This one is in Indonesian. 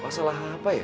pak salah apa ya